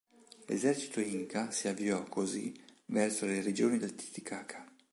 L'esercito Inca si avviò, così, verso le regioni del Titicaca.